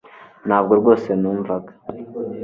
Ntabwo rwose numvaga